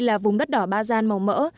là vùng đất đỏ ba gian màu mỡ